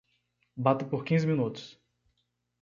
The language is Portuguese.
Bata por quinze minutos.